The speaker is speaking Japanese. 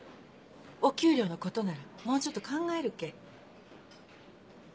お給料のことならもうちょっと考えるけぇ。